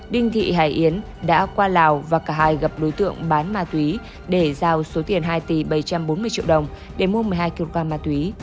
đinh thị hải yến đã qua lào và cả hai gặp đối tượng bán ma túy để giao số tiền hai tỷ bảy trăm bốn mươi triệu đồng để mua một mươi hai kg ma túy